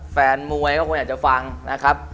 แฟนมวยก็คงอยากจะฟังนะครับ